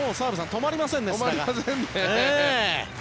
止まりませんね。